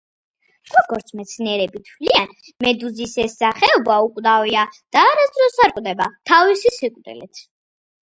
როგორც მეცნიერები თვლიან, მედუზის ეს სახეობა უკვდავია და არასდროს არ კვდება თავისი სიკვდილით.